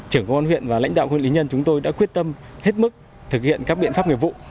trưởng công an huyện và lãnh đạo huyện lý nhân chúng tôi đã quyết tâm hết mức thực hiện các biện pháp nghiệp vụ